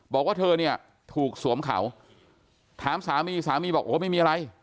บอกว่าเธอเนี่ยถูกสวมเขาถามสามีสามีบอกโอ้ไม่มีอะไร